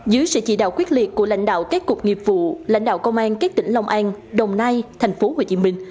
dưới sự chỉ đạo quyết liệt của lãnh đạo các cục nghiệp vụ lãnh đạo công an các tỉnh long an đồng nai tp hcm